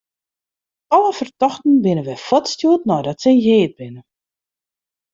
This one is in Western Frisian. Alle fertochten binne wer fuortstjoerd neidat se heard binne.